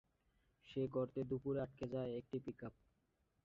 সে গর্তে দুপুরে আটকে যায় একটি পিকআপ।